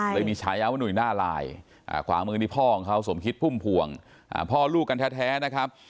เลยมีฉายาว่าหนุ่ยหน้าลายขวามือนี่พ่อของเขาสมคิดพุ่มพวงพ่อลูกกันแท้นะครับ